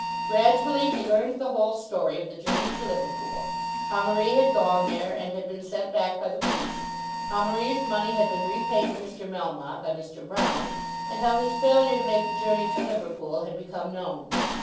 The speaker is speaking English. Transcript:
Gradually he learned the whole story of the journey to Liverpool, how Marie had gone there and had been sent back by the police, how Marie's money had been repaid to Mr. Melmotte by Mr. Broune, and how his failure to make the journey to Liverpool had become known.